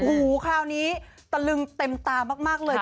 โอ้โหคราวนี้ตะลึงเต็มตามากเลย